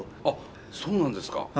あっそうなんですか？